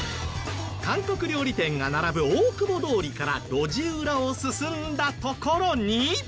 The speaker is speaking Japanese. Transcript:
韓国料理店が並ぶ大久保通りから路地裏を進んだ所に。